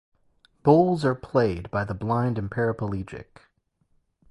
Bowls are played by the blind and paraplegic.